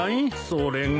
それが。